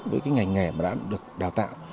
với ngành nghề mà đã được đào tạo